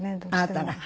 あなたが？